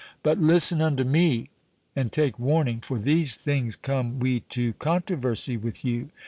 But listen unto me and take warning. For these things come we to controversy with you.